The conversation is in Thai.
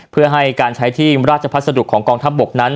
เพื่อให้การใช้ทีมราชพัสดุของกองทัพบกนั้น